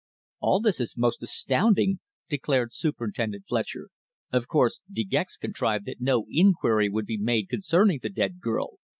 "All this is most astounding," declared Superintendent Fletcher. "Of course, De Gex contrived that no inquiry would be made concerning the dead girl.